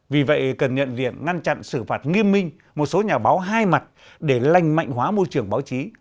vì vậy cần nhận diện ngăn chặn xử phạt nghiêm minh một số nhà báo hai mặt để lành mạnh hóa môi trường báo chí